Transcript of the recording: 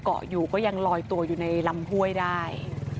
เกาะอยู่ก็ยังลอยตัวอยู่ในลำห้วยได้